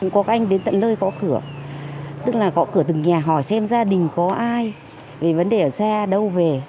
quốc anh đến tận lơi gõ cửa tức là gõ cửa từng nhà hỏi xem gia đình có ai về vấn đề ở xa đâu về